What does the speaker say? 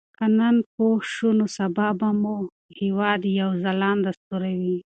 که موږ نن پوه شو نو سبا به مو هېواد یو ځلانده ستوری وي.